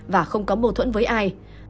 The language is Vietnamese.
và không có mâu thuẫn với ai